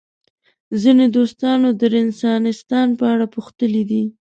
ځینو دوستانو د رنسانستان په اړه پوښتلي دي.